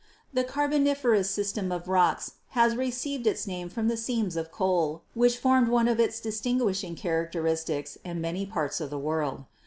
The Carboniferous system of rocks has received its name from the seams of coal which form one of its distinguish ing characters in many parts of the world.